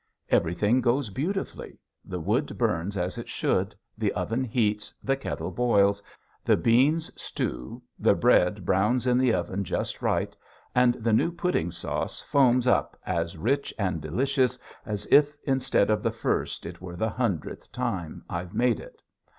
Everything goes beautifully; the wood burns as it should, the oven heats, the kettle boils, the beans stew, the bread browns in the oven just right, and the new pudding sauce foams up as rich and delicious as if instead of the first it were the hundredth time I'd made it.